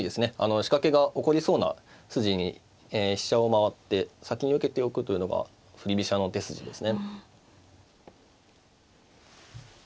仕掛けが起こりそうな筋に飛車を回って先に受けておくというのが振り飛車の手筋ですね。